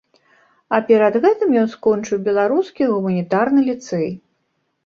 А перад гэтым ён скончыў беларускі гуманітарны ліцэй.